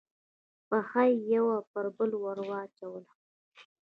پښه یې یوه پر بله واچوله.